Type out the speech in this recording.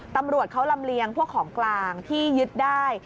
ตำรวจเขาลำเลียงพวกของกลางที่ยึดได้